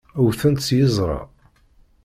Wwten-tt s yiẓṛa.